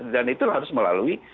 dan itu harus melalui